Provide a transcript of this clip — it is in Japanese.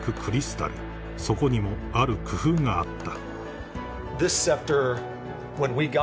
［そこにもある工夫があった］